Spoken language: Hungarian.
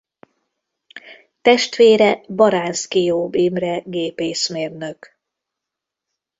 Testvére Baránszky-Jób Imre gépészmérnök.